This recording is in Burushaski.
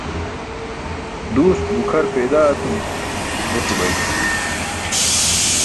Duust gukʰar peydaa etum goc̣o bay